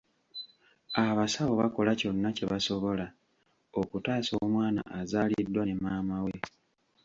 Abasawo bakola kyonna kye basobola okutaasa omwana azaaliddwa ne maama we.